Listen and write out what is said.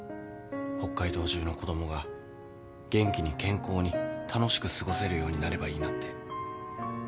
北海道中の子供が元気に健康に楽しく過ごせるようになればいいなって。